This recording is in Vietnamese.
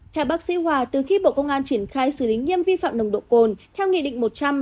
theo bác sĩ hòa từ khi bộ công an triển khai xử lý nghiêm vi phạm nồng độ cồn theo nghị định một trăm linh